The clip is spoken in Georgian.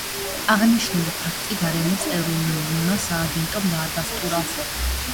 აღნიშნული ფაქტი გარემოს ეროვნულმა სააგენტომ დაადასტურა.